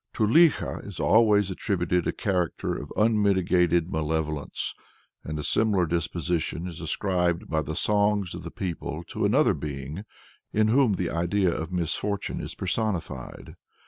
To Likho is always attributed a character of unmitigated malevolence, and a similar disposition is ascribed by the songs of the people to another being in whom the idea of misfortune is personified.